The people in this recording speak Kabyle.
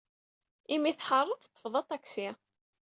Imi ay tḥareḍ, teḍḍfeḍ aṭaksi.